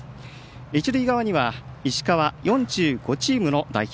一塁側には石川４５チームの代表